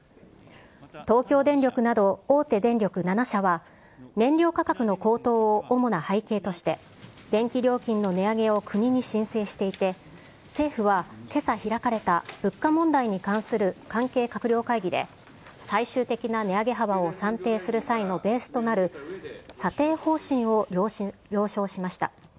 東京電力など、大手電力７社は、燃料価格の高騰を主な背景として、電気料金の値上げを国に申請していて、政府はけさ開かれた物価問題に関する関係閣僚会議で最終的な値上げ幅を算定する際のベースとなる査定方針を了承しました。